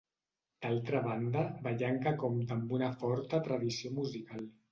D'altra banda, Vallanca compta amb una forta tradició musical.